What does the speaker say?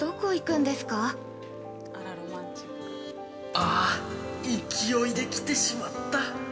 （◆あぁ勢いで来てしまった。